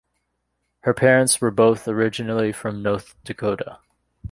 Her parents were both originally from North Dakota.